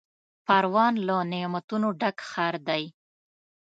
پروان له نعمتونو ډک ښار دی.